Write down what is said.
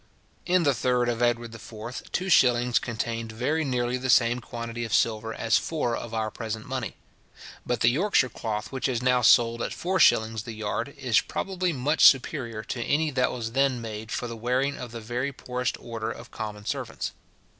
In the 3rd of Edward IV., two shillings contained very nearly the same quantity of silver as four of our present money. But the Yorkshire cloth which is now sold at four shillings the yard, is probably much superior to any that was then made for the wearing of the very poorest order of common servants.